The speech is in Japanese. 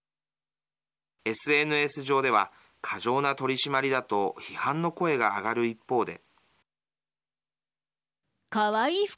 ＳＮＳ上では過剰な取締りだと批判の声が上がる一方で。